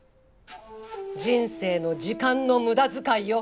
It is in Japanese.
人生の時間の無駄遣いよ。